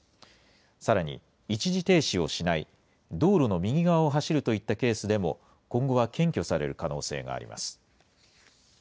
さらに、一時停止をしない、道路の右側を走るといったケースでも今後は検挙される可能性があります。